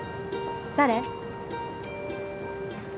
誰？